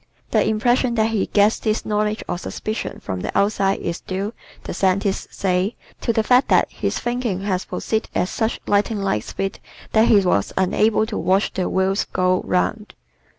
The impression that he gets this knowledge or suspicion from the outside is due, the scientists say, to the fact that his thinking has proceeded at such lightning like speed that he was unable to watch the wheels go round.